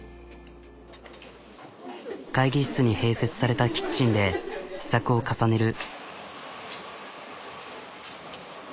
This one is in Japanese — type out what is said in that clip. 会議室に併設されたキッチンで試作を重ねる。